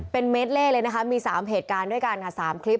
เป็นเมดเล่เลยนะคะมี๓เหตุการณ์ด้วยกันค่ะ๓คลิป